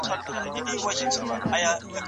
مساوات ټولنیز ثبات راولي